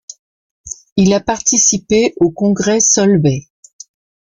Il a participé au Congrès Solvay.